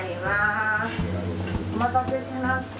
お待たせしました。